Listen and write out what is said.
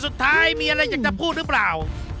สุดท้ายมีอะไรหนึ่งปูนึกปร่าบ